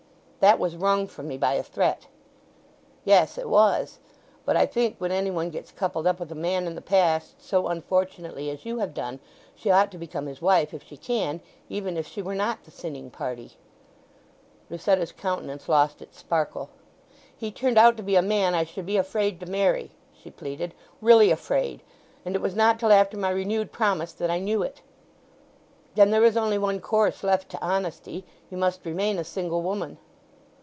"That was wrung from me by a threat." "Yes, it was. But I think when any one gets coupled up with a man in the past so unfortunately as you have done she ought to become his wife if she can, even if she were not the sinning party." Lucetta's countenance lost its sparkle. "He turned out to be a man I should be afraid to marry," she pleaded. "Really afraid! And it was not till after my renewed promise that I knew it." "Then there is only one course left to honesty. You must remain a single woman."